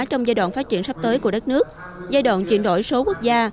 trong giai đoạn phát triển sắp tới của đất nước giai đoạn chuyển đổi số quốc gia